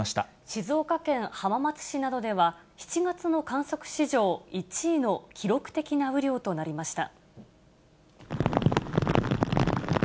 静岡県浜松市などでは、７月の観測史上、１位の記録的な雨量となりました。